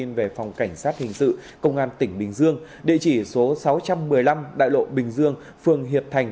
về phòng cảnh sát hình sự công an tỉnh bình dương địa chỉ số sáu trăm một mươi năm đại lộ bình dương phường hiệp thành